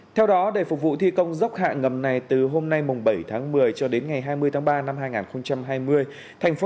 theo đó để phục vụ thi công dốc hạ ngầm này từ hôm nay bảy tháng một mươi cho đến ngày hai mươi tháng ba năm hai nghìn hai mươi